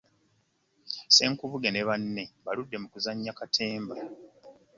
Ssenkubuge ne banne baludde mu kuzannya katemba.